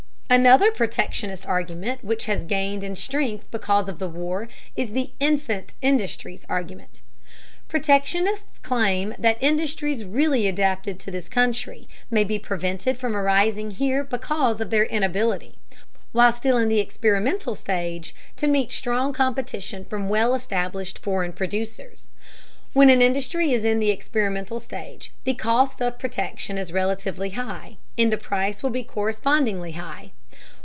Another protectionist argument which has gained in strength because of the War is the "infant industries" argument. Protectionists claim that industries really adapted to this country may be prevented from arising here because of their inability, while still in the experimental stage, to meet strong competition from well established foreign producers. When an industry is in the experimental stage the cost of production is relatively high, and the price will be correspondingly high.